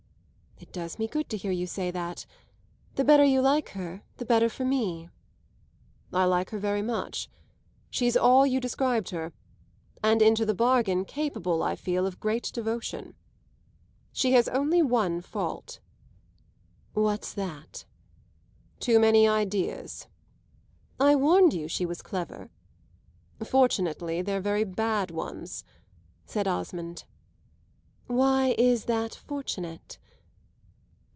"It does me good to hear you say that. The better you like her the better for me." "I like her very much. She's all you described her, and into the bargain capable, I feel, of great devotion. She has only one fault." "What's that?" "Too many ideas." "I warned you she was clever." "Fortunately they're very bad ones," said Osmond. "Why is that fortunate?"